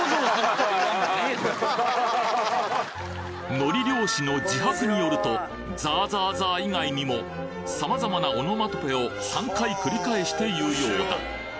海苔漁師の自白によるとザーザーザー以外にも様々なオノマトペを３回繰り返して言うようだ